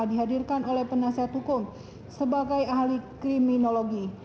dihadirkan oleh penasihat hukum sebagai ahli kriminologi